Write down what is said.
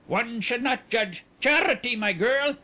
One should not judge ... Charity, my girl.